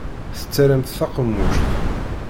Tettarramt taqemmuct.